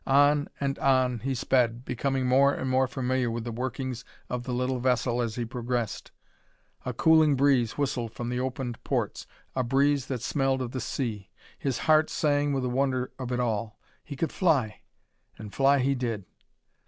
On and on he sped, becoming more and more familiar with the workings of the little vessel as he progressed. A cooling breeze whistled from the opened ports, a breeze that smelled of the sea. His heart sang with the wonder of it all. He could fly. And fly he did.